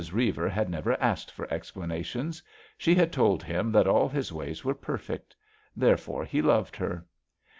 Reiver had never asked for explanations. She had told him that all his ways were perfect. There fore he loved her.